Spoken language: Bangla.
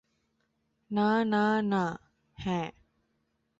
না না না - হ্যাঁ।